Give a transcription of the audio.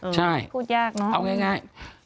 ใช่เอาง่าย